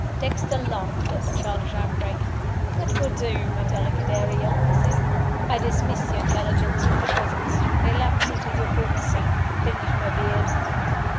Dexter laughed at the childish outbreak. "That will do, my delicate Ariel," he said. "I dismiss your Intelligence for the present. Relapse into your former self. Finish my beard."